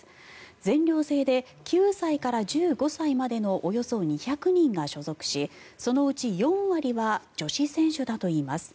全寮制で９歳から１５歳までのおよそ２００人が所属しそのうち４割は女子選手だといいます。